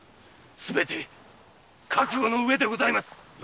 すべて覚悟の上でございます。